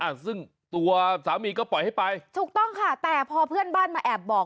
อ่ะซึ่งตัวสามีก็ปล่อยให้ไปถูกต้องค่ะแต่พอเพื่อนบ้านมาแอบบอก